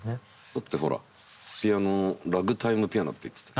だってほらピアノラグタイムピアノって言ってた。